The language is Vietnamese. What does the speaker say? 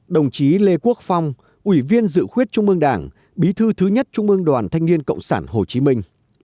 đồng chí lê quốc phong ủy viên dự khuyết trung ương đảng bí thư thứ nhất trung ương đoàn thanh niên cộng sản hồ chí minh